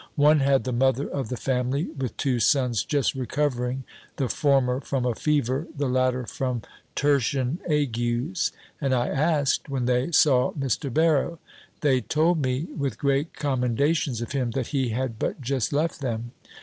One had the mother of the family, with two sons, just recovering, the former from a fever, the latter from tertian agues; and I asked, when they saw Mr. Barrow? They told me, with great commendations of him, that he had but just left them.